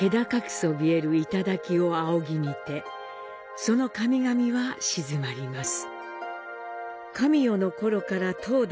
そびえる頂を仰ぎ見てその神々は鎮まります。